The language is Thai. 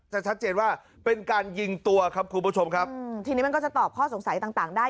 ชัดเจนว่าเป็นการยิงตัวครับคุณผู้ชมครับทีนี้มันก็จะตอบข้อสงสัยต่างต่างได้